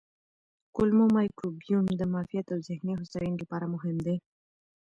کولمو مایکروبیوم د معافیت او ذهني هوساینې لپاره مهم دی.